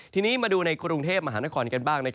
ทีนี้มาดูในกรุงเทพมหานครกันบ้าง